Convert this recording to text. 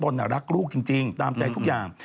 รักลูกจริงตามใจทุกอย่าง